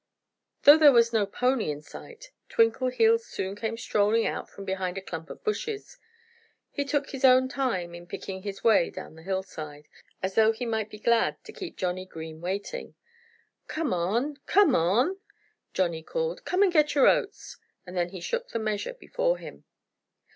Though there was no pony in sight, Twinkleheels soon came strolling out from behind a clump of bushes. He took his own time in picking his way down the hillside, as though he might be glad to keep Johnnie Green waiting. "Come on! Come on!" Johnnie called. "Come and get your oats!" And he shook the measure before him.